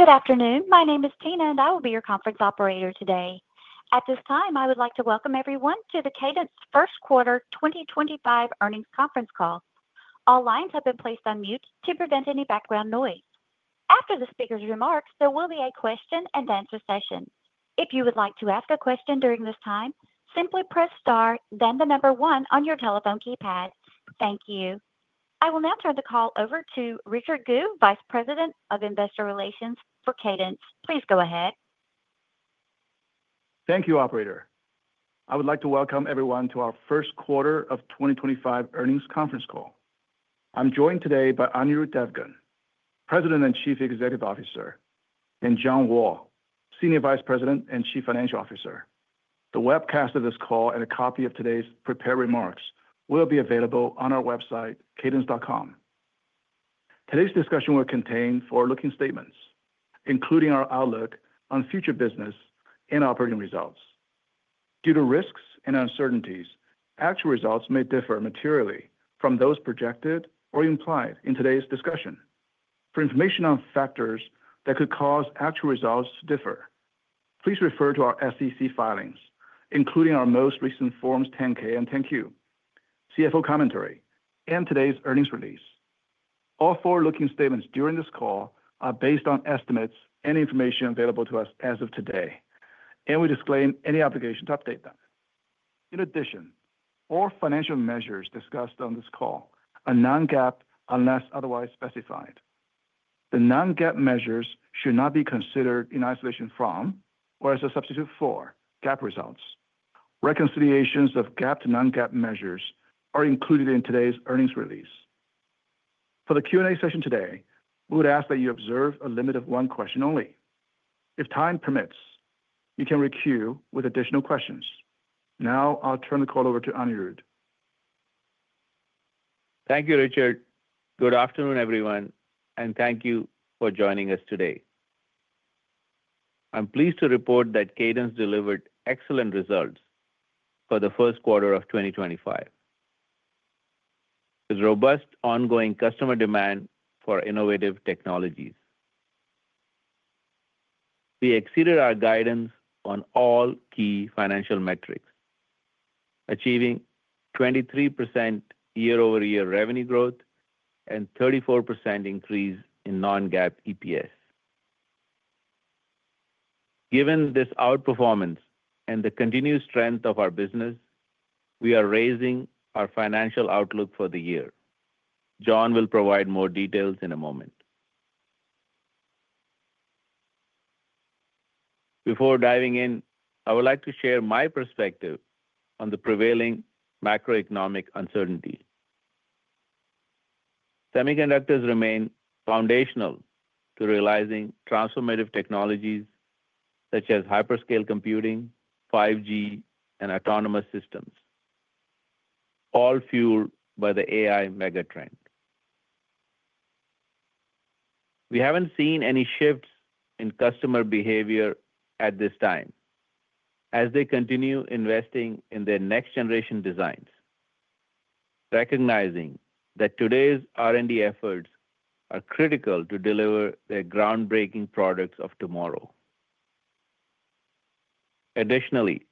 Good afternoon. My name is Tina, and I will be your conference operator today. At this time, I would like to welcome everyone to the Cadence First Quarter 2025 earnings conference call. All lines have been placed on mute to prevent any background noise. After the speaker's remarks, there will be a question-and-answer session. If you would like to ask a question during this time, simply press star, then the number one on your telephone keypad. Thank you. I will now turn the call over to Richard Gu, Vice President of Investor Relations for Cadence. Please go ahead. Thank you, Operator. I would like to welcome everyone to our First Quarter of 2025 earnings conference call. I'm joined today by Anirudh Devgan, President and Chief Executive Officer, and John Wall, Senior Vice President and Chief Financial Officer. The webcast of this call and a copy of today's prepared remarks will be available on our website, cadence.com. Today's discussion will contain forward-looking statements, including our outlook on future business and operating results. Due to risks and uncertainties, actual results may differ materially from those projected or implied in today's discussion. For information on factors that could cause actual results to differ, please refer to our SEC filings, including our most recent Forms 10-K and 10-Q, CFO commentary, and today's earnings release. All forward-looking statements during this call are based on estimates and information available to us as of today, and we disclaim any obligation to update them. In addition, all financial measures discussed on this call are non-GAAP unless otherwise specified. The non-GAAP measures should not be considered in isolation from or as a substitute for GAAP results. Reconciliations of GAAP to non-GAAP measures are included in today's earnings release. For the Q&A session today, we would ask that you observe a limit of one question only. If time permits, you can re-queue with additional questions. Now, I'll turn the call over to Anirudh. Thank you, Richard. Good afternoon, everyone, and thank you for joining us today. I'm pleased to report that Cadence delivered excellent results for the first quarter of 2025 with robust ongoing customer demand for innovative technologies. We exceeded our guidance on all key financial metrics, achieving 23% year-over-year revenue growth and 34% increase in non-GAAP EPS. Given this outperformance and the continued strength of our business, we are raising our financial outlook for the year. John will provide more details in a moment. Before diving in, I would like to share my perspective on the prevailing macroeconomic uncertainty. Semiconductors remain foundational to realizing transformative technologies such as hyperscale computing, 5G, and autonomous systems, all fueled by the AI megatrend. We haven't seen any shifts in customer behavior at this time as they continue investing in their next-generation designs, recognizing that today's R&D efforts are critical to deliver their groundbreaking products of tomorrow. Additionally,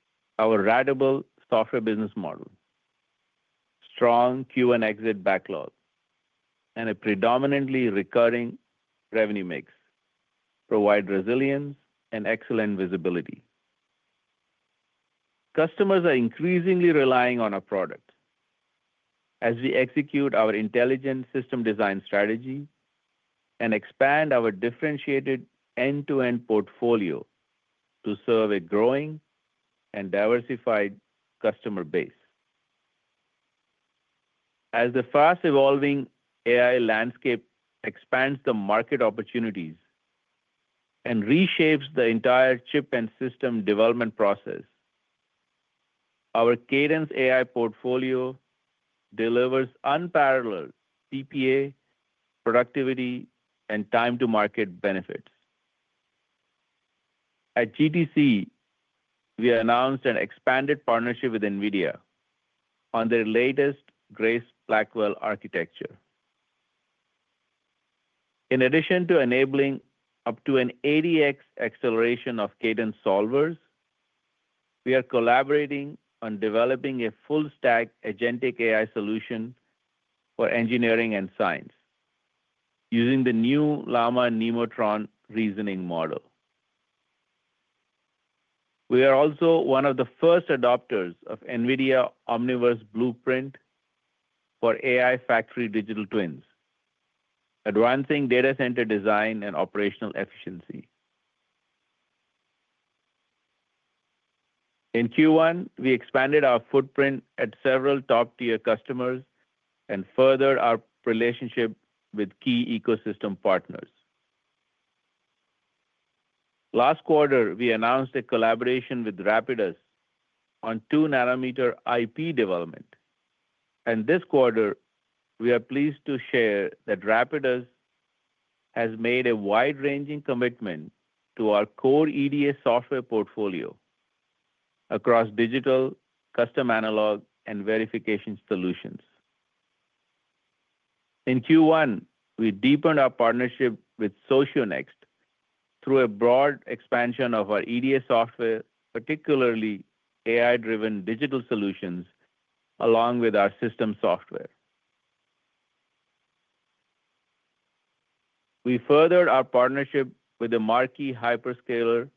our radical software business model, strong Q1 exit backlog, and a predominantly recurring revenue mix provide resilience and excellent visibility. Customers are increasingly relying on our product as we execute our intelligent system design strategy and expand our differentiated end-to-end portfolio to serve a growing and diversified customer base. As the fast-evolving AI landscape expands the market opportunities and reshapes the entire chip and system development process, our Cadence AI portfolio delivers unparalleled PPA, productivity, and time-to-market benefits. At GTC, we announced an expanded partnership with NVIDIA on their latest Grace Blackwell architecture. In addition to enabling up to an 80x acceleration of Cadence solvers, we are collaborating on developing a full-stack agentic AI solution for engineering and science using the new Llama and Nemotron reasoning model. We are also one of the first adopters of NVIDIA Omniverse Blueprint for AI factory digital twins, advancing data center design and operational efficiency. In Q1, we expanded our footprint at several top-tier customers and furthered our relationship with key ecosystem partners. Last quarter, we announced a collaboration with Rapidus on 2-nanometer IP development. This quarter, we are pleased to share that Rapidus has made a wide-ranging commitment to our core EDA software portfolio across digital, custom analog, and verification solutions. In Q1, we deepened our partnership with Socionext through a broad expansion of our EDA software, particularly AI-driven digital solutions, along with our system software. We furthered our partnership with the Marquee Hyperscaler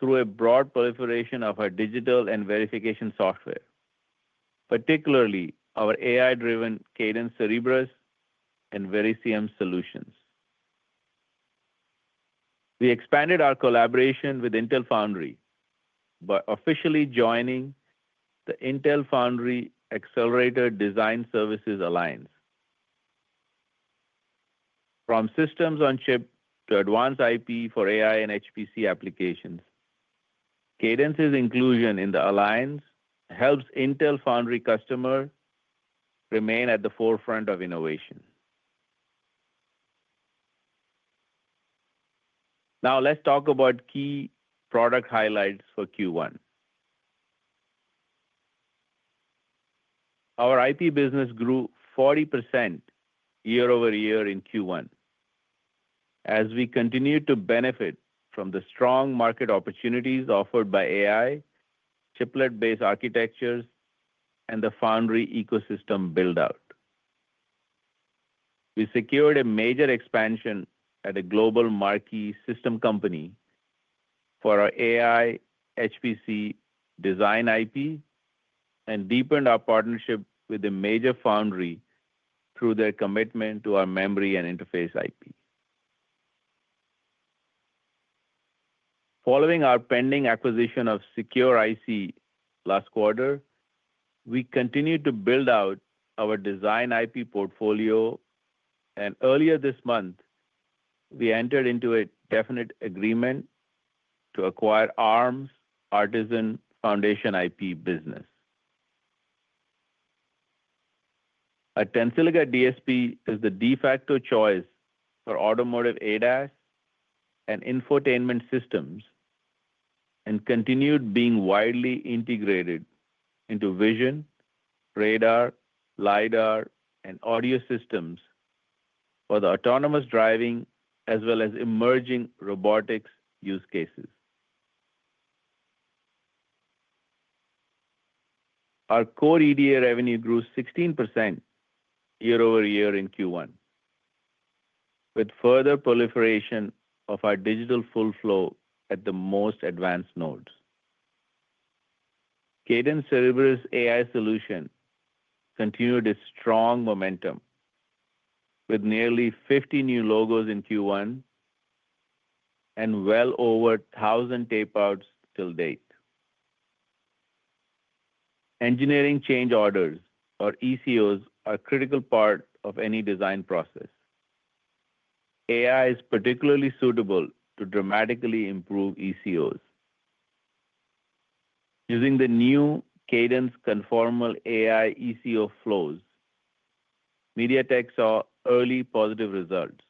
through a broad proliferation of our digital and verification software, particularly our AI-driven Cadence Cerebrus and Verisium solutions. We expanded our collaboration with Intel Foundry by officially joining the Intel Foundry Accelerator Design Services Alliance. From systems on chip to advanced IP for AI and HPC applications, Cadence's inclusion in the alliance helps Intel Foundry customers remain at the forefront of innovation. Now, let's talk about key product highlights for Q1. Our IP business grew 40% year-over-year in Q1 as we continued to benefit from the strong market opportunities offered by AI, chiplet-based architectures, and the foundry ecosystem build-out. We secured a major expansion at a global Marquee system company for our AI HPC design IP and deepened our partnership with a major foundry through their commitment to our memory and interface IP. Following our pending acquisition of Secure-IC last quarter, we continued to build out our design IP portfolio, and earlier this month, we entered into a definite agreement to acquire Arm's Artisan Foundation IP business. A Tensilica DSP is the de facto choice for automotive ADAS and infotainment systems and continued being widely integrated into vision, radar, lidar, and audio systems for the autonomous driving as well as emerging robotics use cases. Our core EDA revenue grew 16% year-over-year in Q1, with further proliferation of our digital full flow at the most advanced nodes. Cadence Cerebrus AI solution continued its strong momentum with nearly 50 new logos in Q1 and well over 1,000 tapeouts till date. Engineering change orders, or ECOs, are a critical part of any design process. AI is particularly suitable to dramatically improve ECOs. Using the new Cadence Conformal AI ECO flows, MediaTek saw early positive results,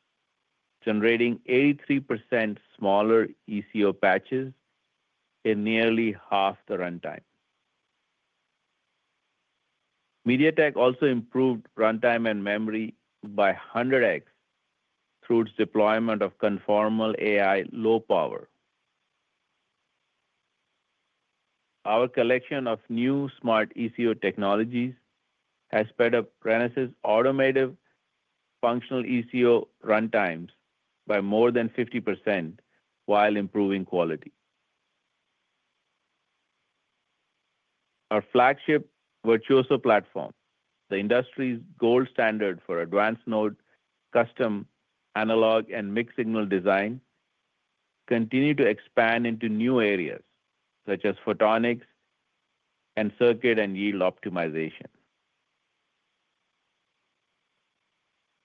generating 83% smaller ECO patches in nearly half the runtime. MediaTek also improved runtime and memory by 100x through its deployment of Conformal AI low power. Our collection of new smart ECO technologies has sped up Renesas' automated functional ECO runtimes by more than 50% while improving quality. Our flagship Virtuoso platform, the industry's gold standard for advanced node custom analog and mixed signal design, continued to expand into new areas such as photonics and circuit and yield optimization.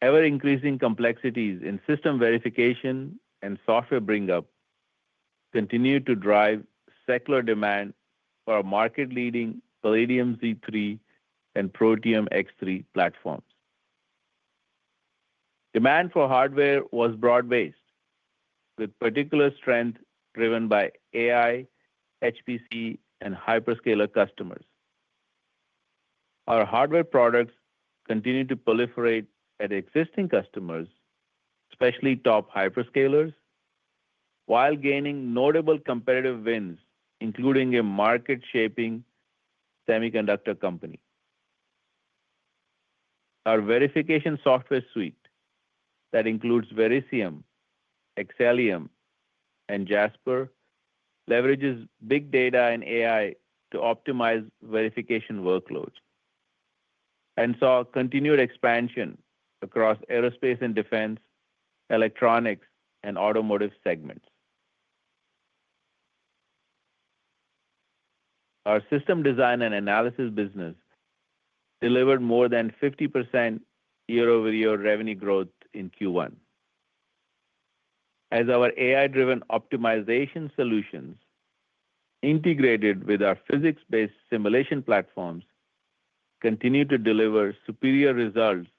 Ever-increasing complexities in system verification and software bring-up continued to drive secular demand for our market-leading Palladium Z3 and Protium X3 platforms. Demand for hardware was broad-based, with particular strength driven by AI, HPC, and hyperscaler customers. Our hardware products continued to proliferate at existing customers, especially top hyperscalers, while gaining notable competitive wins, including a market-shaping semiconductor company. Our verification software suite that includes Verisium, Xcelium, and Jasper leverages big data and AI to optimize verification workloads and saw continued expansion across aerospace and defense, electronics, and automotive segments. Our system design and analysis business delivered more than 50% year-over-year revenue growth in Q1, as our AI-driven optimization solutions, integrated with our physics-based simulation platforms, continued to deliver superior results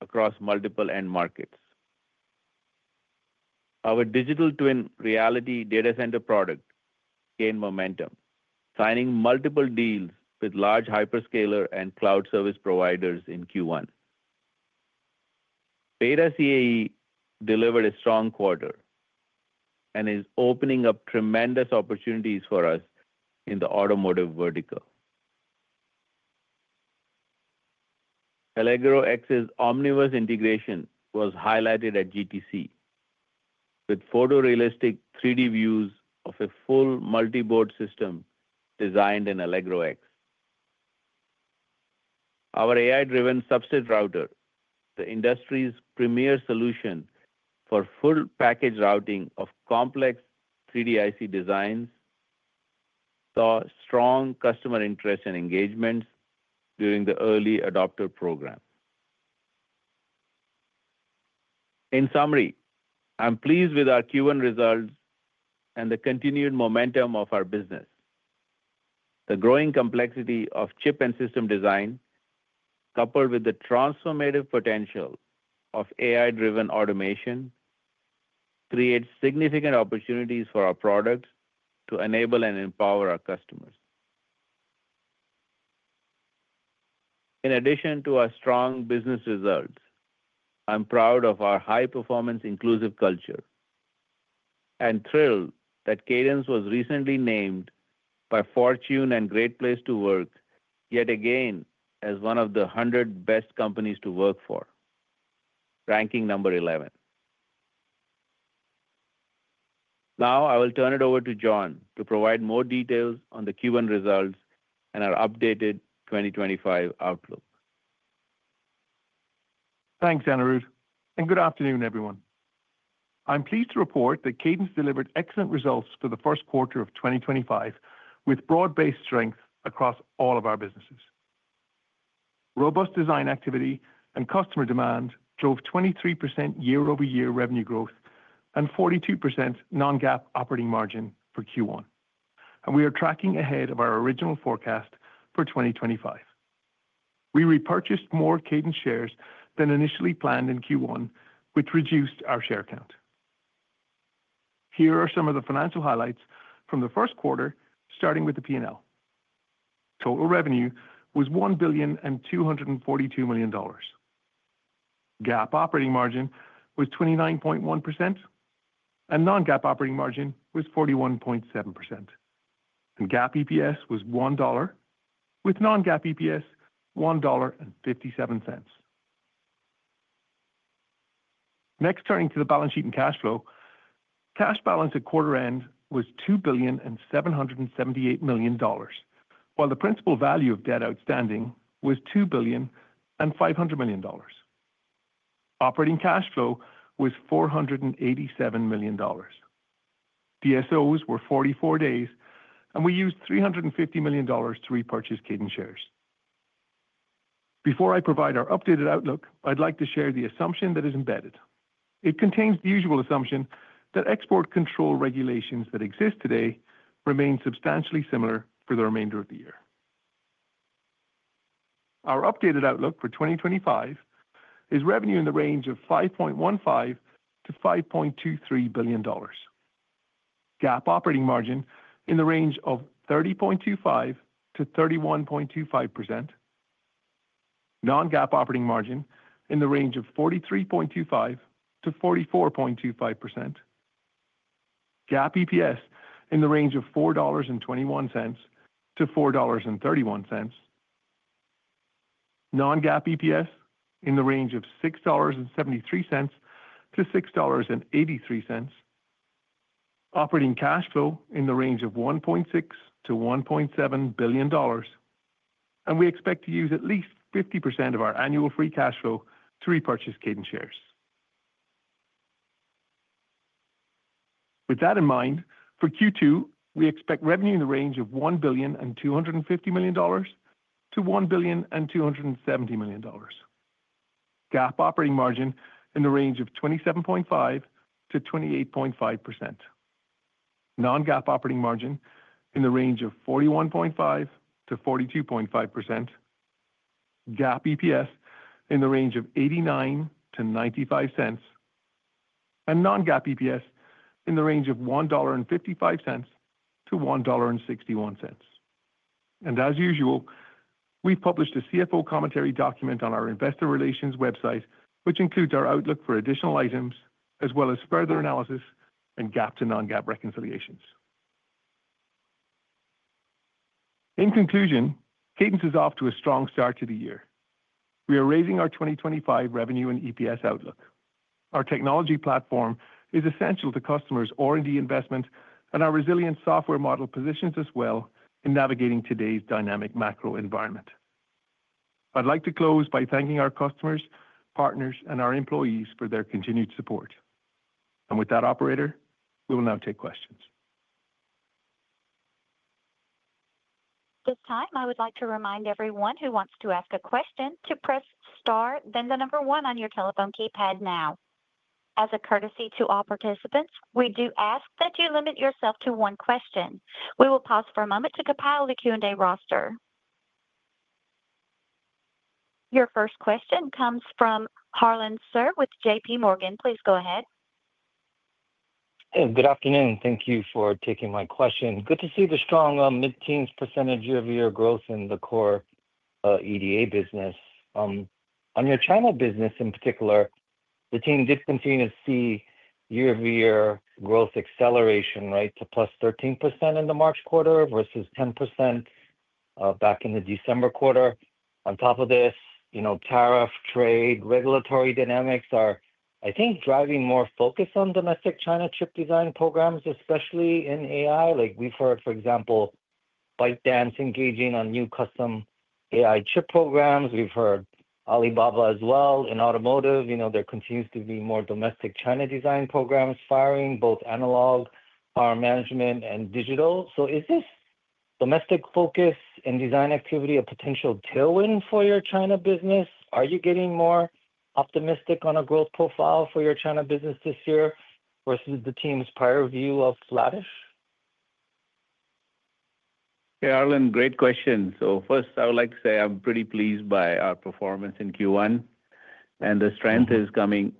across multiple end markets. Our digital twin Reality data center product gained momentum, signing multiple deals with large hyperscaler and cloud service providers in Q1. BETA CAE delivered a strong quarter and is opening up tremendous opportunities for us in the automotive vertical. Allegro X's Omniverse integration was highlighted at GTC with photorealistic 3D views of a full multi-board system designed in Allegro X. Our AI-driven substate router, the industry's premier solution for full package routing of complex 3DIC designs, saw strong customer interest and engagements during the early adopter program. In summary, I'm pleased with our Q1 results and the continued momentum of our business. The growing complexity of chip and system design, coupled with the transformative potential of AI-driven automation, creates significant opportunities for our products to enable and empower our customers. In addition to our strong business results, I'm proud of our high-performance inclusive culture and thrilled that Cadence was recently named by Fortune and Great Place to Work yet again as one of the 100 best companies to work for, ranking number 11. Now, I will turn it over to John to provide more details on the Q1 results and our updated 2025 outlook. Thanks, Anirudh. Good afternoon, everyone. I'm pleased to report that Cadence delivered excellent results for the first quarter of 2025 with broad-based strength across all of our businesses. Robust design activity and customer demand drove 23% year-over-year revenue growth and 42% non-GAAP operating margin for Q1. We are tracking ahead of our original forecast for 2025. We repurchased more Cadence shares than initially planned in Q1, which reduced our share count. Here are some of the financial highlights from the first quarter, starting with the P&L. Total revenue was $1,242 million. GAAP operating margin was 29.1%, and non-GAAP operating margin was 41.7%. GAAP EPS was $1, with non-GAAP EPS $1.57. Next, turning to the balance sheet and cash flow, cash balance at quarter end was $2,778 million, while the principal value of debt outstanding was $2,500 million. Operating cash flow was $487 million. DSOs were 44 days, and we used $350 million to repurchase Cadence shares. Before I provide our updated outlook, I'd like to share the assumption that is embedded. It contains the usual assumption that export control regulations that exist today remain substantially similar for the remainder of the year. Our updated outlook for 2025 is revenue in the range of $5.15-$5.23 billion, GAAP operating margin in the range of 30.25%-31.25%, non-GAAP operating margin in the range of 43.25%-44.25%, GAAP EPS in the range of $4.21-$4.31, non-GAAP EPS in the range of $6.73-$6.83, operating cash flow in the range of $1.6-$1.7 billion, and we expect to use at least 50% of our annual free cash flow to repurchase Cadence shares. With that in mind, for Q2, we expect revenue in the range of $1,250 million-$1,270 million, GAAP operating margin in the range of 27.5%-28.5%, non-GAAP operating margin in the range of 41.5%-42.5%, GAAP EPS in the range of $0.89-$0.95, and non-GAAP EPS in the range of $1.55-$1.61. As usual, we have published a CFO commentary document on our investor relations website, which includes our outlook for additional items as well as further analysis and GAAP to non-GAAP reconciliations. In conclusion, Cadence is off to a strong start to the year. We are raising our 2025 revenue and EPS outlook. Our technology platform is essential to customers' R&D investments, and our resilient software model positions us well in navigating today's dynamic macro environment. I would like to close by thanking our customers, partners, and our employees for their continued support. With that, operator, we will now take questions. At this time, I would like to remind everyone who wants to ask a question to press Star, then the number one on your telephone keypad now. As a courtesy to all participants, we do ask that you limit yourself to one question. We will pause for a moment to compile the Q&A roster. Your first question comes from Harlan Sur with JPMorgan. Please go ahead. Good afternoon. Thank you for taking my question. Good to see the strong mid-teens % of your growth in the core EDA business. On your China business in particular, the team did continue to see year-over-year growth acceleration, right, to plus 13% in the March quarter versus 10% back in the December quarter. On top of this, tariff, trade, regulatory dynamics are, I think, driving more focus on domestic China chip design programs, especially in AI. Like we've heard, for example, ByteDance engaging on new custom AI chip programs. We've heard Alibaba as well in automotive. There continues to be more domestic China design programs firing, both analog, power management, and digital. Is this domestic focus and design activity a potential tailwind for your China business? Are you getting more optimistic on a growth profile for your China business this year versus the team's prior view of flattish? Yeah, Arlen, great question. First, I would like to say I'm pretty pleased by our performance in Q1, and the strength is coming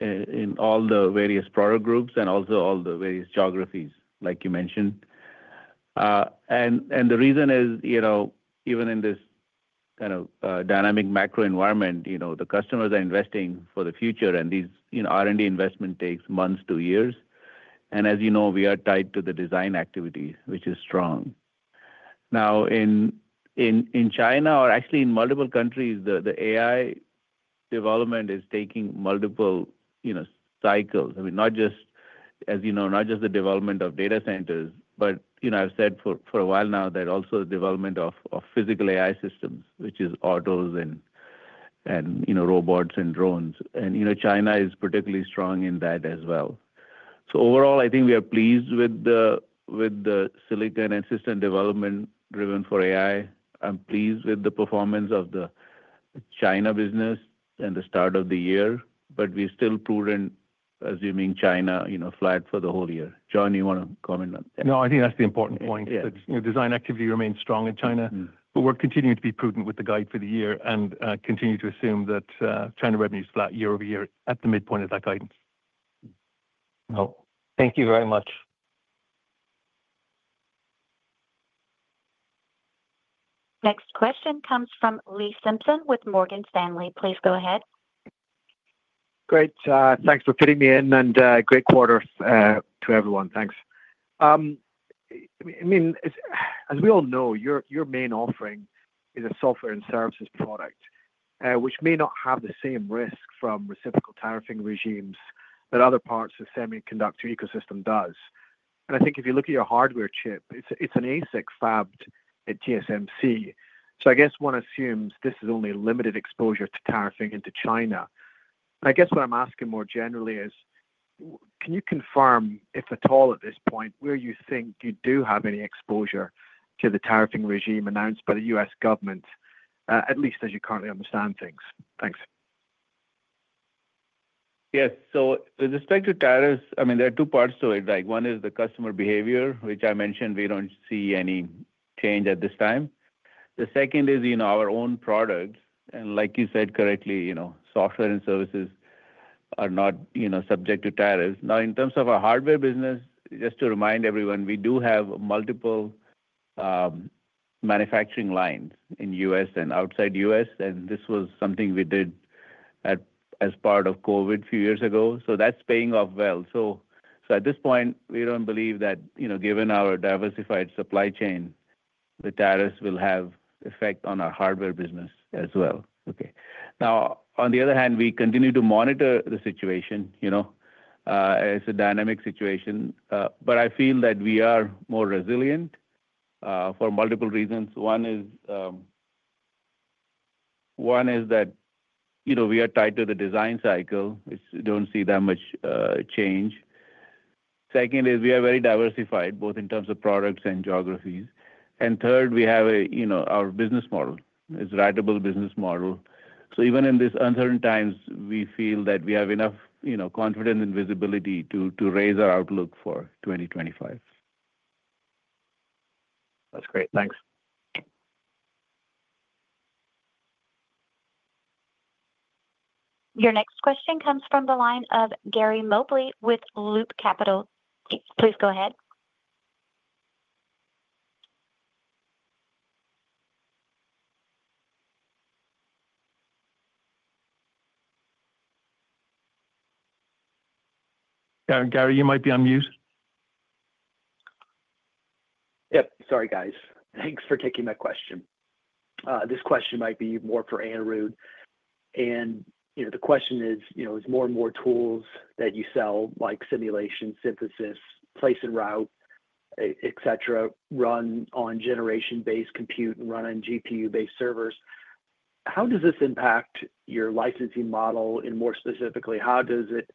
in all the various product groups and also all the various geographies, like you mentioned. The reason is, even in this kind of dynamic macro environment, the customers are investing for the future, and R&D investment takes months to years. As you know, we are tied to the design activity, which is strong. Now, in China, or actually in multiple countries, the AI development is taking multiple cycles. I mean, not just, as you know, not just the development of data centers, but I've said for a while now that also the development of physical AI systems, which is autos and robots and drones. China is particularly strong in that as well. Overall, I think we are pleased with the silicon and system development driven for AI. I'm pleased with the performance of the China business and the start of the year, but we're still prudent assuming China flat for the whole year. John, you want to comment on that? No, I think that's the important point. The design activity remains strong in China, but we're continuing to be prudent with the guide for the year and continue to assume that China revenue is flat year over year at the midpoint of that guidance. Thank you very much. Next question comes from Lee Simpson with Morgan Stanley. Please go ahead. Great. Thanks for fitting me in, and great quarter to everyone. Thanks. I mean, as we all know, your main offering is a software and services product, which may not have the same risk from reciprocal tariffing regimes that other parts of the semiconductor ecosystem does. I think if you look at your hardware chip, it's an ASIC fabbed at TSMC. I guess one assumes this is only limited exposure to tariffing into China. I guess what I'm asking more generally is, can you confirm, if at all at this point, where you think you do have any exposure to the tariffing regime announced by the U.S. government, at least as you currently understand things? Thanks. Yes. With respect to tariffs, I mean, there are two parts to it. One is the customer behavior, which I mentioned we don't see any change at this time. The second is our own product. Like you said correctly, software and services are not subject to tariffs. Now, in terms of our hardware business, just to remind everyone, we do have multiple manufacturing lines in the U.S. and outside the U.S. This was something we did as part of COVID a few years ago. That's paying off well. At this point, we do not believe that, given our diversified supply chain, the tariffs will have an effect on our hardware business as well. Okay. On the other hand, we continue to monitor the situation. It is a dynamic situation, but I feel that we are more resilient for multiple reasons. One is that we are tied to the design cycle. We do not see that much change. Second is we are very diversified, both in terms of products and geographies. Third, our business model is a reliable business model. Even in these uncertain times, we feel that we have enough confidence and visibility to raise our outlook for 2025. That is great. Thanks. Your next question comes from the line of Gary Mobley with Loop Capital. Please go ahead. Gary, you might be on mute. Yep. Sorry, guys. Thanks for taking my question. This question might be more for Anirudh. The question is, as more and more tools that you sell, like simulation, synthesis, place and route, etc., run on generation-based compute and run on GPU-based servers, how does this impact your licensing model? More specifically, how does it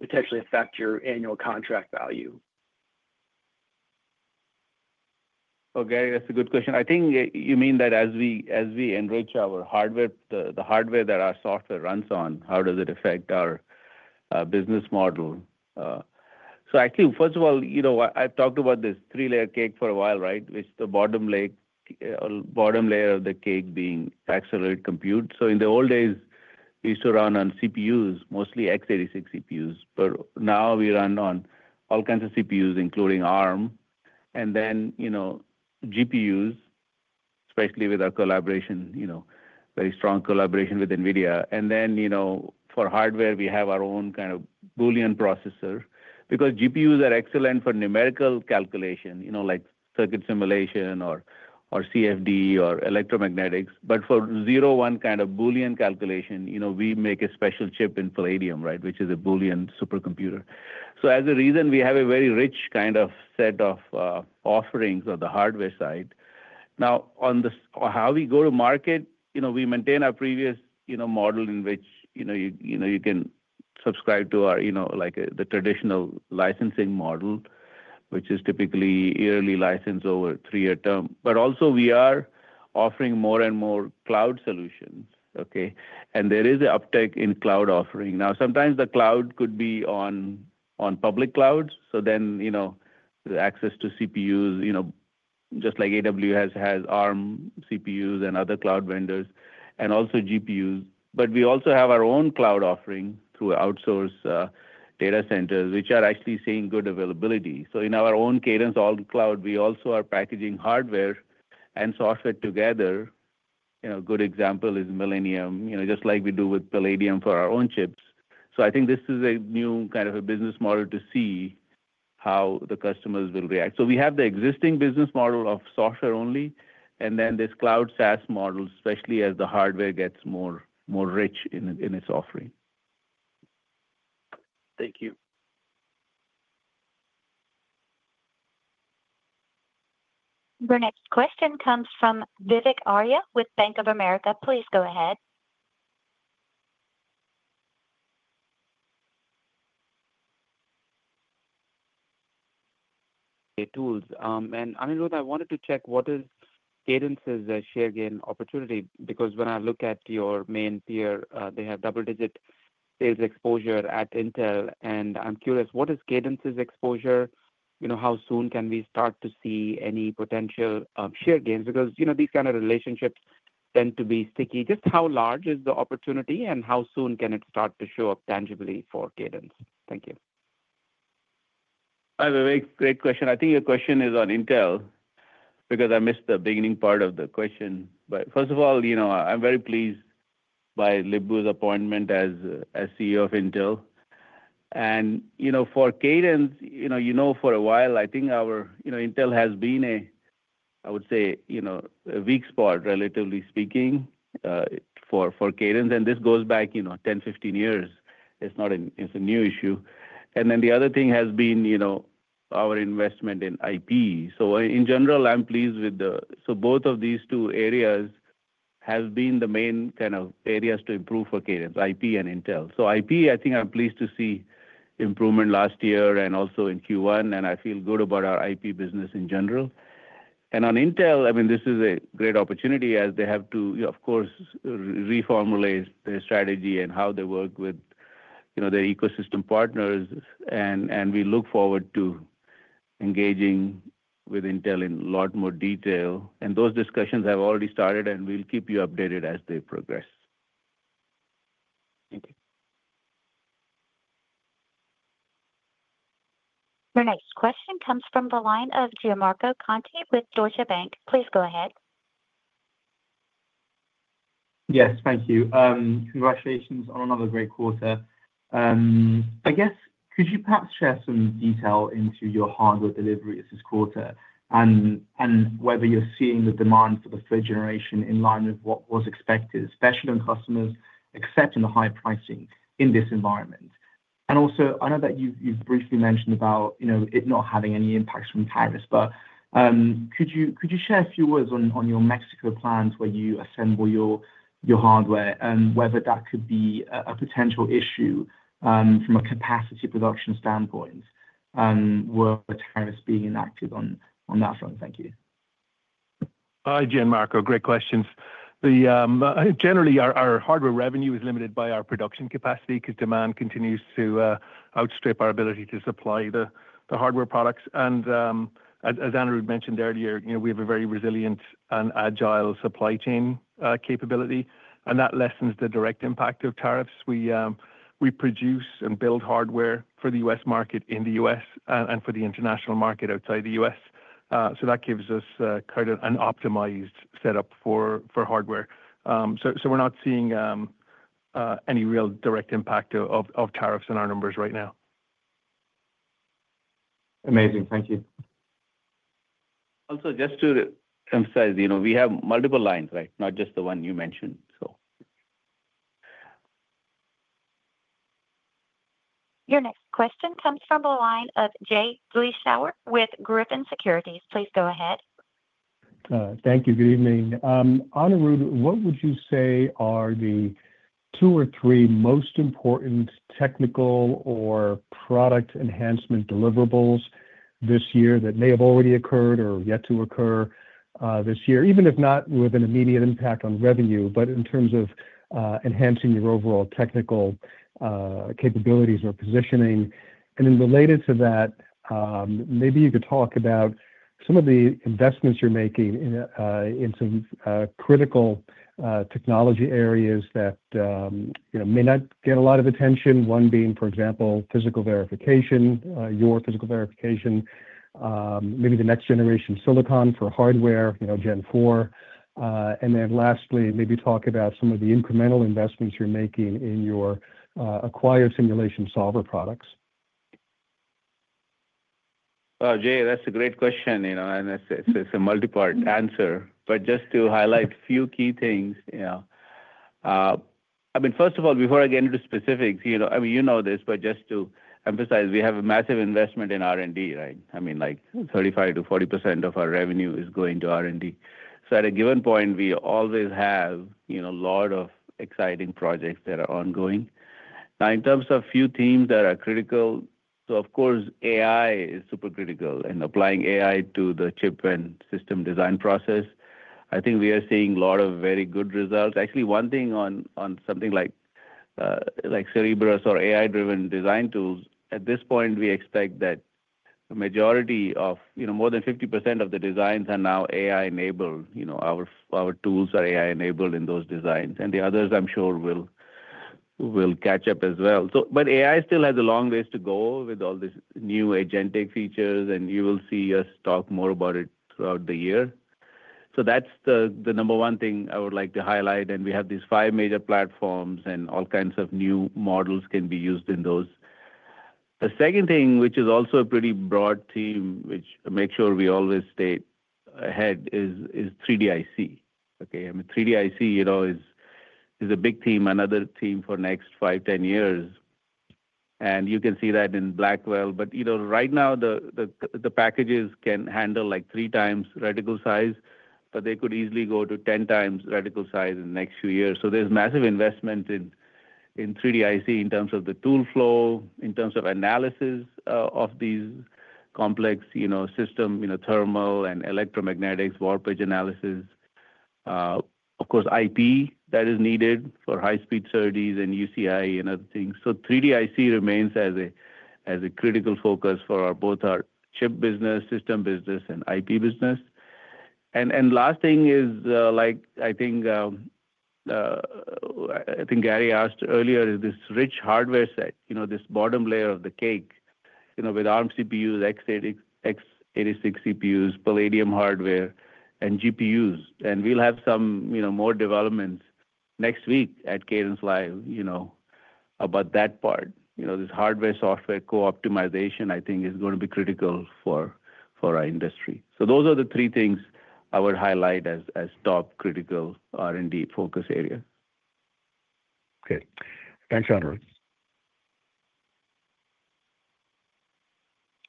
potentially affect your annual contract value? Okay. That's a good question. I think you mean that as we enrich the hardware that our software runs on, how does it affect our business model? Actually, first of all, I've talked about this three-layer cake for a while, right, with the bottom layer of the cake being accelerated compute. In the old days, we used to run on CPUs, mostly x86 CPUs. Now we run on all kinds of CPUs, including ARM, and then GPUs, especially with our collaboration, very strong collaboration with NVIDIA. For hardware, we have our own kind of Boolean processor because GPUs are excellent for numerical calculation, like circuit simulation or CFD or electromagnetics. For zero-one kind of Boolean calculation, we make a special chip in Palladium, right, which is a Boolean supercomputer. As a reason, we have a very rich kind of set of offerings on the hardware side. On how we go to market, we maintain our previous model in which you can subscribe to the traditional licensing model, which is typically yearly license over a three-year term. We are also offering more and more cloud solutions, okay? There is an uptake in cloud offering. Sometimes the cloud could be on public clouds. The access to CPUs, just like AWS has ARM CPUs and other cloud vendors, and also GPUs. We also have our own cloud offering through outsourced data centers, which are actually seeing good availability. In our own Cadence All Cloud, we also are packaging hardware and software together. A good example is Millennium, just like we do with Palladium for our own chips. I think this is a new kind of business model to see how the customers will react. We have the existing business model of software only, and then this cloud SaaS model, especially as the hardware gets more rich in its offering. Thank you. Your next question comes from Vivek Arya with Bank of America. Please go ahead. Tools. And Anirudh, I wanted to check what is Cadence's share gain opportunity because when I look at your main tier, they have double-digit sales exposure at Intel. I'm curious, what is Cadence's exposure? How soon can we start to see any potential share gains? Because these kinds of relationships tend to be sticky. Just how large is the opportunity, and how soon can it start to show up tangibly for Cadence? Thank you. Hi, Vivek. Great question. I think your question is on Intel because I missed the beginning part of the question. First of all, I am very pleased by Lip-Bu's appointment as CEO of Intel. For Cadence, you know for a while, I think Intel has been a, I would say, a weak spot, relatively speaking, for Cadence. This goes back 10, 15 years. It is not a new issue. The other thing has been our investment in IP. In general, I am pleased with the—so both of these two areas have been the main kind of areas to improve for Cadence: IP and Intel. IP, I think I'm pleased to see improvement last year and also in Q1. I feel good about our IP business in general. On Intel, I mean, this is a great opportunity as they have to, of course, reformulate their strategy and how they work with their ecosystem partners. We look forward to engaging with Intel in a lot more detail. Those discussions have already started, and we'll keep you updated as they progress. Thank you. Your next question comes from the line of Gianmarco Conti with Deutsche Bank. Please go ahead. Yes, thank you. Congratulations on another great quarter. I guess, could you perhaps share some detail into your hardware delivery this quarter and whether you're seeing the demand for the third generation in line with what was expected, especially on customers accepting the high pricing in this environment? I know that you've briefly mentioned about it not having any impacts from tariffs, but could you share a few words on your Mexico plans where you assemble your hardware and whether that could be a potential issue from a capacity production standpoint? Were tariffs being enacted on that front? Thank you. Hi, Giomarco. Great questions. Generally, our hardware revenue is limited by our production capacity because demand continues to outstrip our ability to supply the hardware products. As Anirudh mentioned earlier, we have a very resilient and agile supply chain capability, and that lessens the direct impact of tariffs. We produce and build hardware for the U.S. market in the U.S. and for the international market outside the U.S. That gives us kind of an optimized setup for hardware. We're not seeing any real direct impact of tariffs on our numbers right now. Amazing. Thank you. Also, just to emphasize, we have multiple lines, right? Not just the one you mentioned. Your next question comes from the line of Jay Vleeschhouwer with Griffin Securities. Please go ahead. Thank you. Good evening. Anirudh, what would you say are the two or three most important technical or product enhancement deliverables this year that may have already occurred or yet to occur this year, even if not with an immediate impact on revenue, but in terms of enhancing your overall technical capabilities or positioning? Related to that, maybe you could talk about some of the investments you're making in some critical technology areas that may not get a lot of attention, one being, for example, physical verification, your physical verification, maybe the next generation silicon for hardware, Gen 4. Lastly, maybe talk about some of the incremental investments you're making in your acquired simulation solver products. Jay, that's a great question. It's a multi-part answer. Just to highlight a few key things, first of all, before I get into specifics, you know this, but just to emphasize, we have a massive investment in R&D, right? Like 35%-40% of our revenue is going to R&D. At a given point, we always have a lot of exciting projects that are ongoing. In terms of a few themes that are critical, of course, AI is super critical in applying AI to the chip and system design process. I think we are seeing a lot of very good results. Actually, one thing on something like Cerebrus or AI-driven design tools, at this point, we expect that the majority of more than 50% of the designs are now AI-enabled. Our tools are AI-enabled in those designs. The others, I'm sure, will catch up as well. AI still has a long ways to go with all these new agentic features, and you will see us talk more about it throughout the year. That is the number one thing I would like to highlight. We have these five major platforms, and all kinds of new models can be used in those. The second thing, which is also a pretty broad theme, which makes sure we always stay ahead, is 3DIC. I mean, 3DIC is a big theme, another theme for the next 5-10 years. You can see that in Blackwell. Right now, the packages can handle like three times reticle size, but they could easily go to 10 times reticle size in the next few years. There is massive investment in 3DIC in terms of the tool flow, in terms of analysis of these complex systems, thermal and electromagnetics, warpage analysis. Of course, IP that is needed for high-speed serdes and UCIe and other things. 3DIC remains as a critical focus for both our chip business, system business, and IP business. The last thing is, I think Gary asked earlier, is this rich hardware set, this bottom layer of the cake with Arm CPUs, x86 CPUs, Palladium hardware, and GPUs. We will have some more developments next week at Cadence Live about that part. This hardware-software co-optimization, I think, is going to be critical for our industry. Those are the three things I would highlight as top critical R&D focus areas. Okay. Thanks, Anirudh.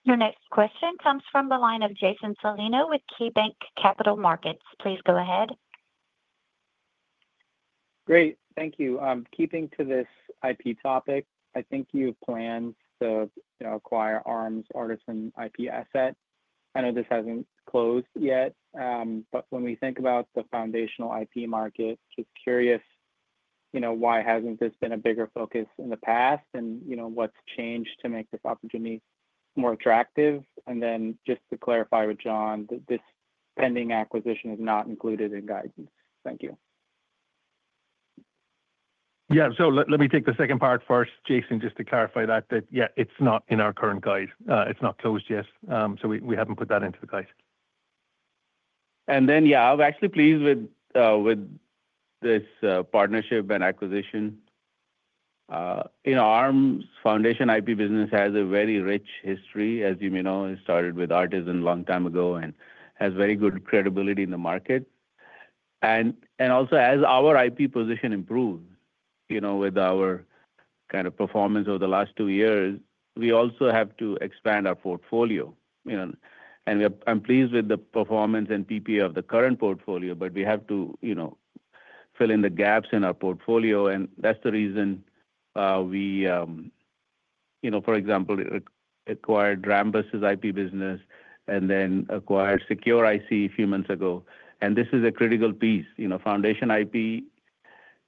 Your next question comes from the line of Jason Celino with KeyBanc Capital Markets. Please go ahead. Great. Thank you. Keeping to this IP topic, I think you've planned to acquire Arm's Artisan IP asset. I know this hasn't closed yet, but when we think about the foundational IP market, just curious, why hasn't this been a bigger focus in the past? What's changed to make this opportunity more attractive? Just to clarify with John, this pending acquisition is not included in guidance. Thank you. Yeah. Let me take the second part first, Jason, just to clarify that, that yeah, it's not in our current guide. It's not closed yet. We haven't put that into the guide. Yeah, I'm actually pleased with this partnership and acquisition. Arm's foundation IP business has a very rich history, as you may know. It started with Artisan a long time ago and has very good credibility in the market. Also, as our IP position improves with our kind of performance over the last two years, we also have to expand our portfolio. I'm pleased with the performance and PPA of the current portfolio, but we have to fill in the gaps in our portfolio. That's the reason we, for example, acquired Rambus's IP business and then acquired Secure-IC a few months ago. This is a critical piece. Foundation IP,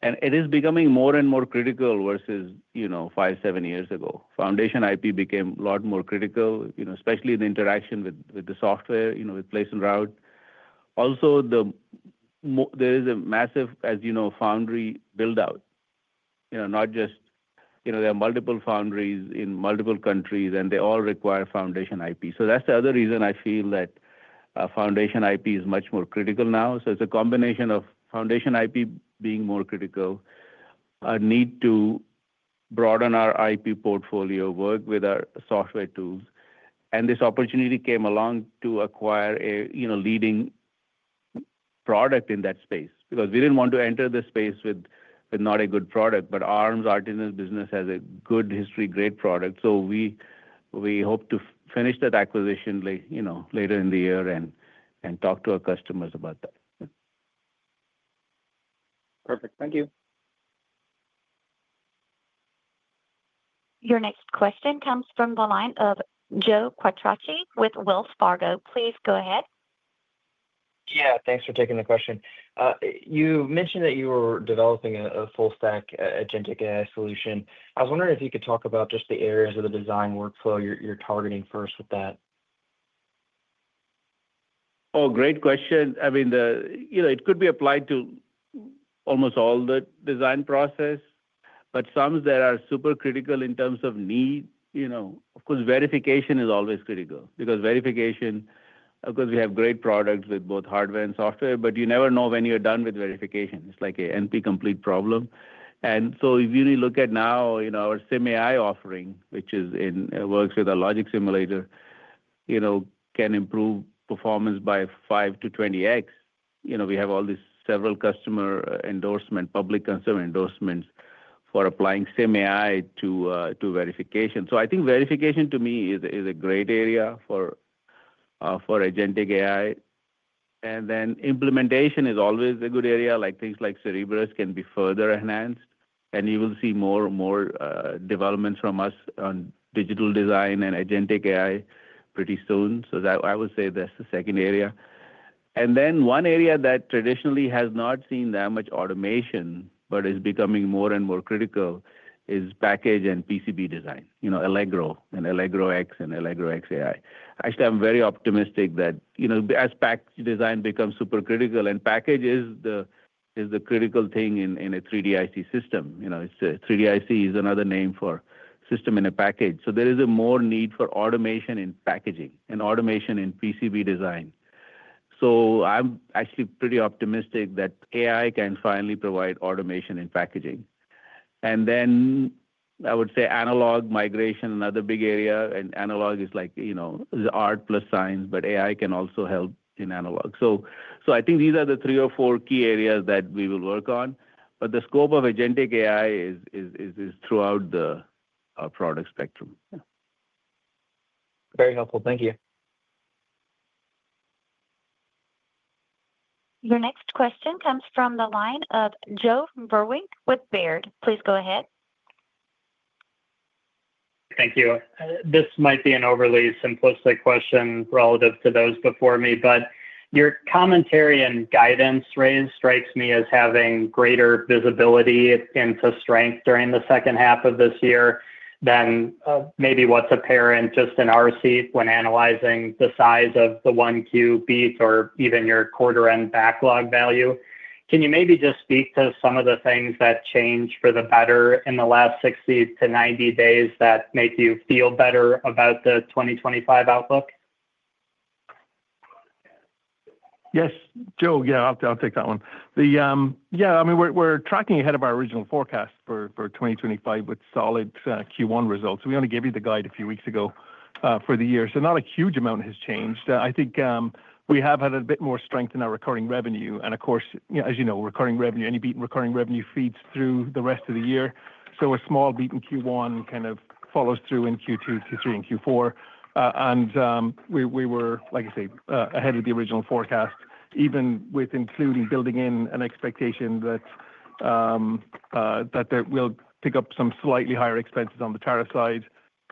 and it is becoming more and more critical versus five, seven years ago. Foundation IP became a lot more critical, especially in the interaction with the software, with place and route. Also, there is a massive, as you know, foundry build-out. Not just there are multiple foundries in multiple countries, and they all require foundation IP. That is the other reason I feel that foundation IP is much more critical now. It is a combination of foundation IP being more critical, a need to broaden our IP portfolio, work with our software tools. This opportunity came along to acquire a leading product in that space because we did not want to enter the space with not a good product. ARM's Artisan business has a good history, great product. We hope to finish that acquisition later in the year and talk to our customers about that. Perfect. Thank you. Your next question comes from the line of Joe Quatrochi with Wells Fargo. Please go ahead. Yeah. Thanks for taking the question. You mentioned that you were developing a full-stack agentic AI solution. I was wondering if you could talk about just the areas of the design workflow you're targeting first with that. Oh, great question. I mean, it could be applied to almost all the design process, but some that are super critical in terms of need. Of course, verification is always critical because verification, of course, we have great products with both hardware and software, but you never know when you're done with verification. It's like an NP-complete problem. If you look at now our SimAI offering, which works with a logic simulator, can improve performance by 5-20x. We have all these several customer endorsements, public consumer endorsements for applying SimAI to verification. I think verification, to me, is a great area for agentic AI. Implementation is always a good area. Things like Cerebrus can be further enhanced, and you will see more and more developments from us on digital design and agentic AI pretty soon. I would say that's the second area. One area that traditionally has not seen that much automation but is becoming more and more critical is package and PCB design, Allegro and Allegro X and Allegro XAI. Actually, I'm very optimistic that as package design becomes super critical, and package is the critical thing in a 3DIC system. 3DIC is another name for system in a package. There is a more need for automation in packaging and automation in PCB design. I'm actually pretty optimistic that AI can finally provide automation in packaging. I would say analog migration is another big area. Analog is like art plus science, but AI can also help in analog. I think these are the three or four key areas that we will work on. The scope of agentic AI is throughout the product spectrum. Very helpful. Thank you. Your next question comes from the line of Joe Vruwink with Baird. Please go ahead. Thank you. This might be an overly simplistic question relative to those before me, but your commentary and guidance raised strikes me as having greater visibility into strength during the second half of this year than maybe what's apparent just in our seat when analyzing the size of the one cube beat or even your quarter-end backlog value. Can you maybe just speak to some of the things that changed for the better in the last 60-90 days that make you feel better about the 2025 outlook? Yes. Joe, yeah, I'll take that one. Yeah. I mean, we're tracking ahead of our original forecast for 2025 with solid Q1 results. We only gave you the guide a few weeks ago for the year. Not a huge amount has changed. I think we have had a bit more strength in our recurring revenue. And of course, as you know, recurring revenue, any beat in recurring revenue feeds through the rest of the year. A small beat in Q1 kind of follows through in Q2, Q3, and Q4. We were, like I say, ahead of the original forecast, even with including building in an expectation that we'll pick up some slightly higher expenses on the tariff side.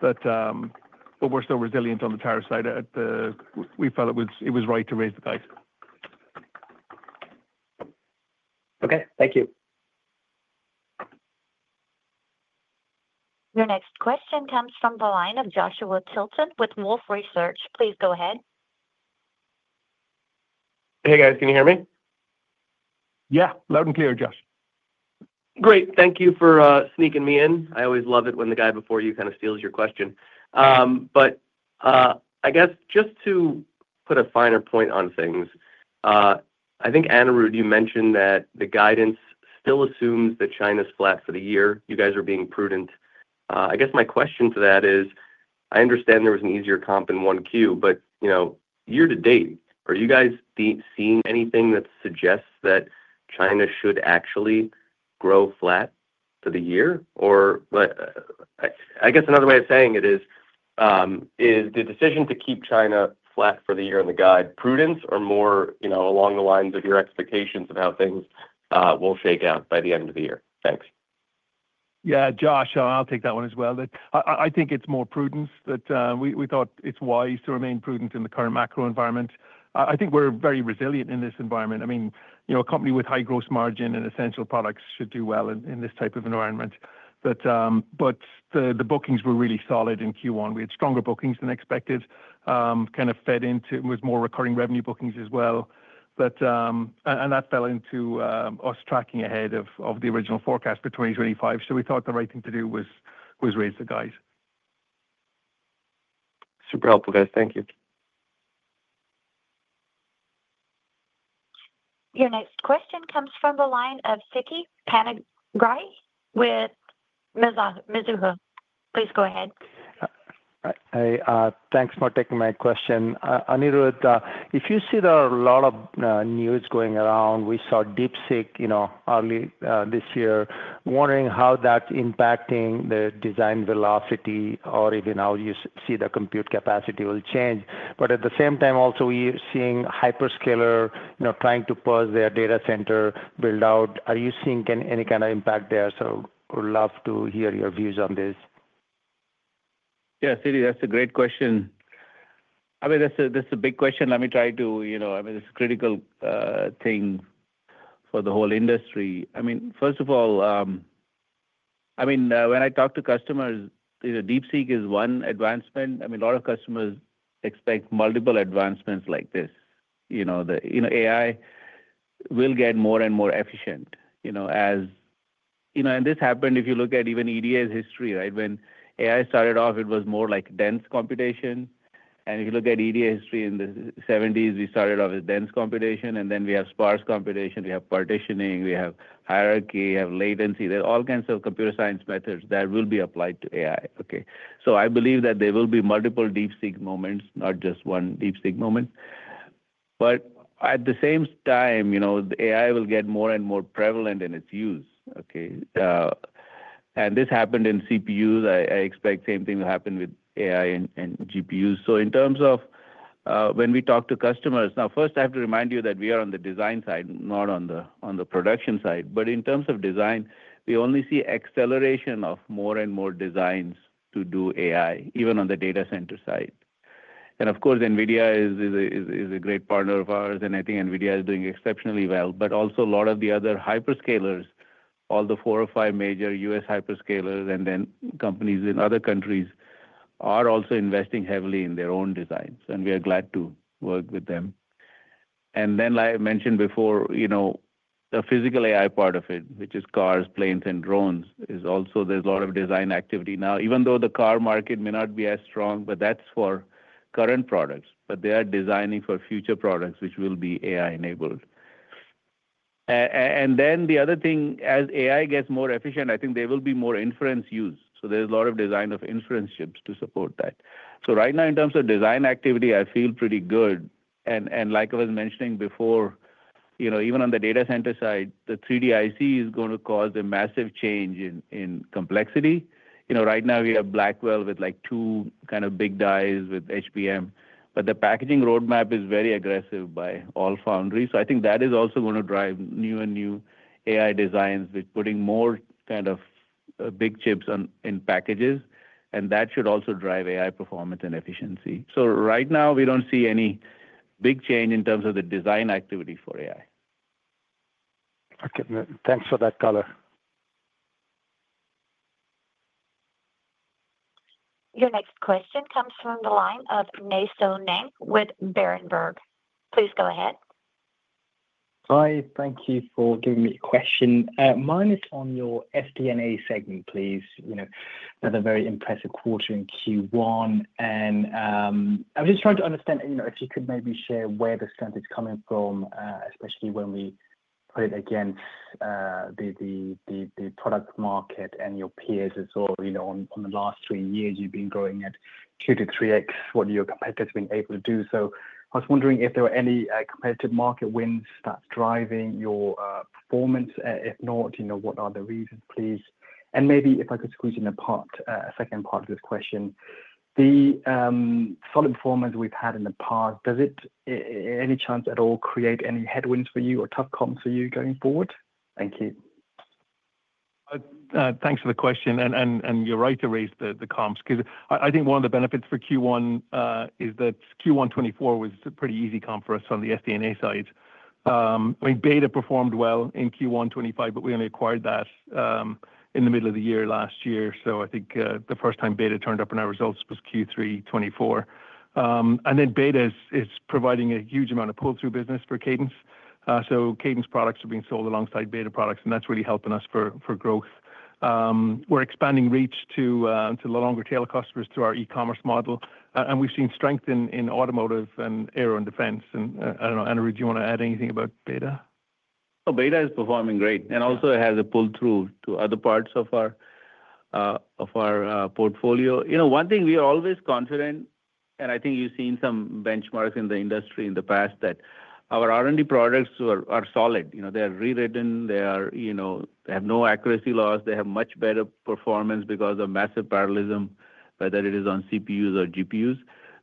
We're still resilient on the tariff side. We felt it was right to raise the guides. Okay. Thank you. Your next question comes from the line of Joshua Tilton with Wolfe Research. Please go ahead. Hey, guys. Can you hear me? Yeah. Loud and clear, Josh. Great. Thank you for sneaking me in. I always love it when the guy before you kind of steals your question. I guess just to put a finer point on things, I think, Anirudh, you mentioned that the guidance still assumes that China is flat for the year. You guys are being prudent. I guess my question to that is, I understand there was an easier comp in Q1, but year to date, are you guys seeing anything that suggests that China should actually grow flat for the year? Another way of saying it is, is the decision to keep China flat for the year in the guide prudence or more along the lines of your expectations of how things will shake out by the end of the year? Thanks. Yeah. Josh, I'll take that one as well. I think it's more prudence that we thought it's wise to remain prudent in the current macro environment. I think we're very resilient in this environment. I mean, a company with high gross margin and essential products should do well in this type of environment. The bookings were really solid in Q1. We had stronger bookings than expected, kind of fed into it with more recurring revenue bookings as well. That fell into us tracking ahead of the original forecast for 2025. We thought the right thing to do was raise the guides. Super helpful, guys. Thank you. Your next question comes from the line of Siti Panigrahi with Mizuho. Please go ahead. Hey. Thanks for taking my question. Anirudh, if you see there are a lot of news going around, we saw DeepSeek early this year, wondering how that's impacting the design velocity or even how you see the compute capacity will change. At the same time, also, we are seeing hyperscalers trying to purge their data center build-out. Are you seeing any kind of impact there? Would love to hear your views on this. Yeah. Siti, that's a great question. I mean, that's a big question. Let me try to—I mean, it's a critical thing for the whole industry. First of all, I mean, when I talk to customers, DeepSeek is one advancement. A lot of customers expect multiple advancements like this. AI will get more and more efficient as—and this happened if you look at even EDA's history, right? When AI started off, it was more like dense computation. If you look at EDA history in the 1970s, we started off with dense computation. Then we have sparse computation. We have partitioning. We have hierarchy. We have latency. There are all kinds of computer science methods that will be applied to AI. I believe that there will be multiple DeepSeek moments, not just one DeepSeek moment. At the same time, AI will get more and more prevalent in its use. This happened in CPUs. I expect the same thing will happen with AI and GPUs. In terms of when we talk to customers—first, I have to remind you that we are on the design side, not on the production side. In terms of design, we only see acceleration of more and more designs to do AI, even on the data center side. Of course, NVIDIA is a great partner of ours. I think NVIDIA is doing exceptionally well. A lot of the other hyperscalers, all the four or five major US hyperscalers and companies in other countries are also investing heavily in their own designs. We are glad to work with them. Like I mentioned before, the physical AI part of it, which is cars, planes, and drones, is also—there is a lot of design activity now. Even though the car market may not be as strong, that is for current products. They are designing for future products, which will be AI-enabled. The other thing, as AI gets more efficient, I think there will be more inference use. There is a lot of design of inference chips to support that. Right now, in terms of design activity, I feel pretty good. Like I was mentioning before, even on the data center side, the 3DIC is going to cause a massive change in complexity. Right now, we have Blackwell with two kind of big dies with HBM. The packaging roadmap is very aggressive by all foundries. I think that is also going to drive new and new AI designs with putting more kind of big chips in packages. That should also drive AI performance and efficiency. Right now, we do not see any big change in terms of the design activity for AI. Thanks for that color. Your next question comes from the line of Nay Soe Naing with Berenberg. Please go ahead. Hi. Thank you for giving me a question. Mine is on your SD&A segment, please. Another very impressive quarter in Q1. I was just trying to understand if you could maybe share where the strength is coming from, especially when we put it against the product market and your peers as well. In the last three years, you've been growing at 2-3x. What have your competitors been able to do? I was wondering if there were any competitive market wins that's driving your performance. If not, what are the reasons, please? Maybe if I could squeeze in a second part of this question, the solid performance we've had in the past, does it, any chance at all, create any headwinds for you or tough comps for you going forward? Thank you. Thanks for the question. You're right to raise the comps because I think one of the benefits for Q1 is that Q1 2024 was a pretty easy comp for us on the SD&A side. I mean, Beta performed well in Q1 2025, but we only acquired that in the middle of the year last year. I think the first time Beta turned up in our results was Q3 2024. Beta is providing a huge amount of pull-through business for Cadence. Cadence products are being sold alongside Beta products, and that is really helping us for growth. We are expanding reach to the longer-tail customers through our e-commerce model. We have seen strength in automotive and aero and defense. I do not know, Anirudh, do you want to add anything about Beta? Beta is performing great. It has a pull-through to other parts of our portfolio. One thing we are always confident, and I think you have seen some benchmarks in the industry in the past, that our R&D products are solid. They are rewritten. They have no accuracy loss. They have much better performance because of massive parallelism, whether it is on CPUs or GPUs.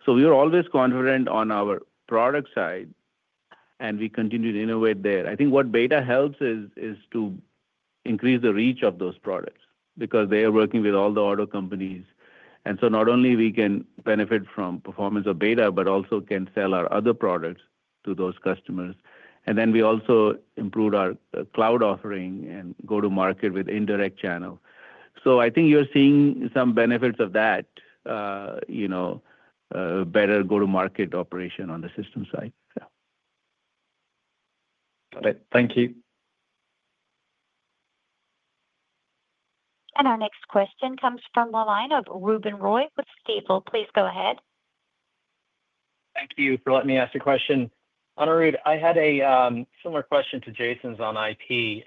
We are always confident on our product side, and we continue to innovate there. I think what Beta helps is to increase the reach of those products because they are working with all the auto companies. Not only can we benefit from the performance of Beta, but we also can sell our other products to those customers. We also improved our cloud offering and go-to-market with indirect channel. I think you're seeing some benefits of that, better go-to-market operation on the system side. Thank you. Our next question comes from the line of Ruben Roy with Stifel. Please go ahead. Thank you for letting me ask the question. Anirudh, I had a similar question to Jason's on IP.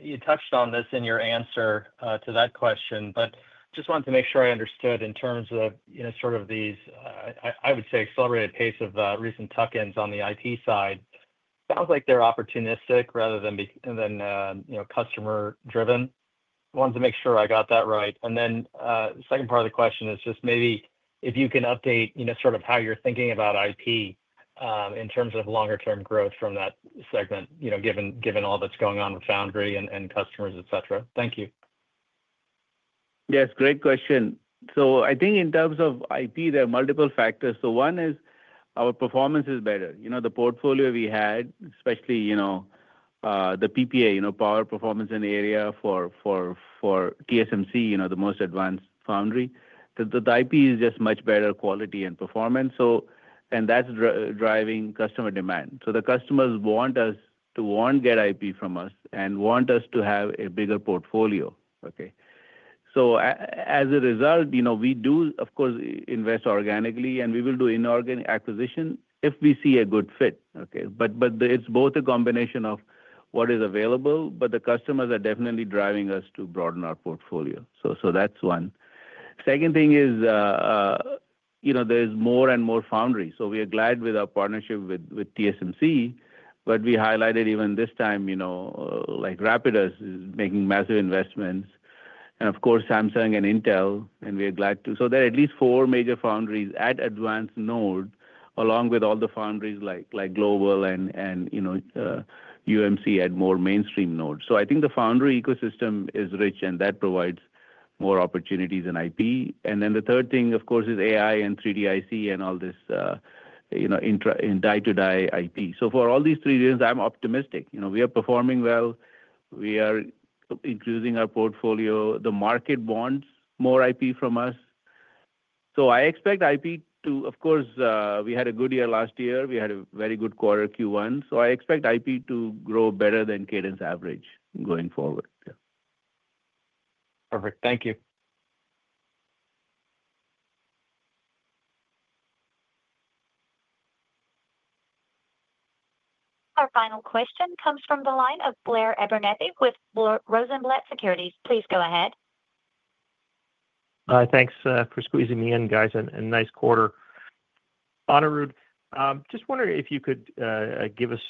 You touched on this in your answer to that question, but just wanted to make sure I understood in terms of sort of these, I would say, accelerated pace of recent tuck-ins on the IP side. Sounds like they're opportunistic rather than customer-driven. I wanted to make sure I got that right. The second part of the question is just maybe if you can update sort of how you're thinking about IP in terms of longer-term growth from that segment, given all that's going on with foundry and customers, etc. Thank you. Yes. Great question. I think in terms of IP, there are multiple factors. One is our performance is better. The portfolio we had, especially the PPA, Power Performance in the Area for TSMC, the most advanced foundry, the IP is just much better quality and performance. That's driving customer demand. The customers want us to get IP from us and want us to have a bigger portfolio. Okay. As a result, we do, of course, invest organically, and we will do inorganic acquisition if we see a good fit. Okay. It is both a combination of what is available, but the customers are definitely driving us to broaden our portfolio. That is one. Second thing is there are more and more foundries. We are glad with our partnership with TSMC, but we highlighted even this time, like Rapidus is making massive investments. Of course, Samsung and Intel, and we are glad to. There are at least four major foundries at advanced nodes along with all the foundries like GlobalFoundries and UMC at more mainstream nodes. I think the foundry ecosystem is rich, and that provides more opportunities in IP. The third thing, of course, is AI and 3DIC and all this in die-to-die IP. For all these three reasons, I'm optimistic. We are performing well. We are increasing our portfolio. The market wants more IP from us. I expect IP to, of course, we had a good year last year. We had a very good quarter, Q1. I expect IP to grow better than Cadence average going forward. Perfect. Thank you. Our final question comes from the line of Blair Abernethy with Rosenblatt Securities. Please go ahead. Thanks for squeezing me in, guys. Nice quarter. Anirudh, just wondering if you could give us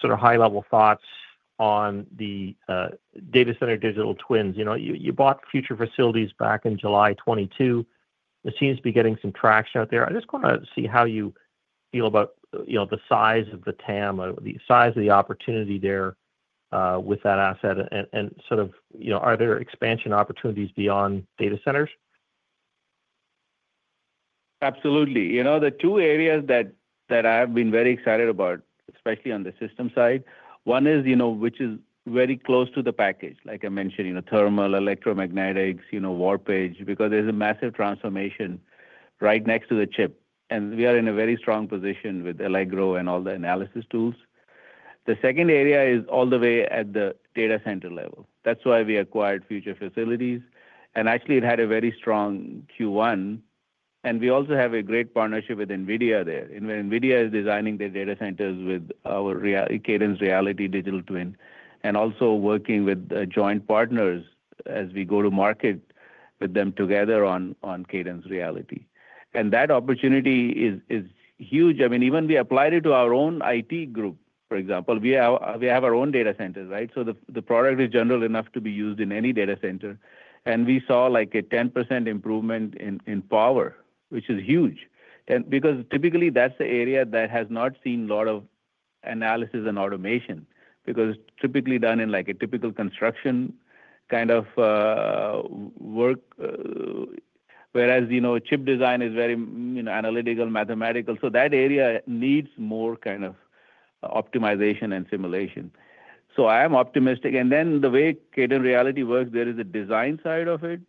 sort of high-level thoughts on the data center digital twins. You bought Future Facilities back in July 2022. It seems to be getting some traction out there. I just want to see how you feel about the size of the TAM, the size of the opportunity there with that asset, and sort of are there expansion opportunities beyond data centers? Absolutely. The two areas that I have been very excited about, especially on the system side, one is which is very close to the package, like I mentioned, thermal, electromagnetics, warpage, because there's a massive transformation right next to the chip. We are in a very strong position with Allegro and all the analysis tools. The second area is all the way at the data center level. That's why we acquired Future Facilities. Actually, it had a very strong Q1. We also have a great partnership with NVIDIA there. NVIDIA is designing their data centers with our Cadence Reality digital twin and also working with joint partners as we go to market with them together on Cadence Reality. That opportunity is huge. I mean, even we applied it to our own IT group, for example. We have our own data centers, right? The product is general enough to be used in any data center. We saw a 10% improvement in power, which is huge. Typically, that's the area that has not seen a lot of analysis and automation because it's typically done in a typical construction kind of work, whereas chip design is very analytical, mathematical. That area needs more kind of optimization and simulation. I am optimistic. The way Cadence Reality works, there is a design side of it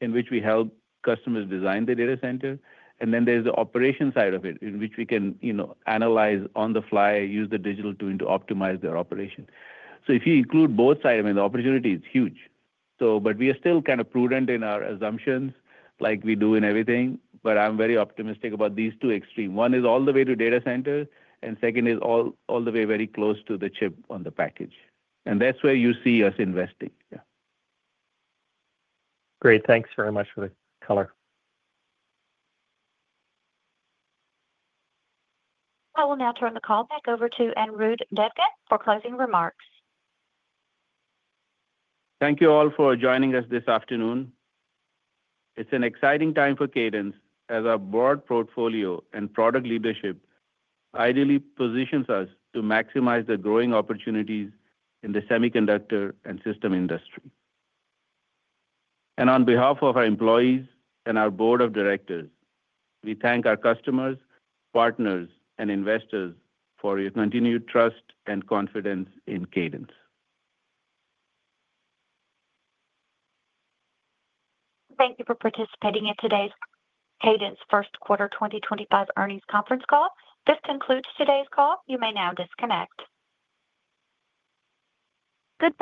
in which we help customers design the data center. There is the operation side of it in which we can analyze on the fly, use the digital twin to optimize their operation. If you include both sides, I mean, the opportunity is huge. We are still kind of prudent in our assumptions like we do in everything. I am very optimistic about these two extremes. One is all the way to data center, and second is all the way very close to the chip on the package. That is where you see us investing. Yeah. Great. Thanks very much for the color. I will now turn the call back over to Anirudh Devgan for closing remarks. Thank you all for joining us this afternoon. It is an exciting time for Cadence as a broad portfolio and product leadership ideally positions us to maximize the growing opportunities in the semiconductor and system industry. On behalf of our employees and our board of directors, we thank our customers, partners, and investors for your continued trust and confidence in Cadence. Thank you for participating in today's Cadence First Quarter 2025 earnings conference call. This concludes today's call. You may now disconnect. Good.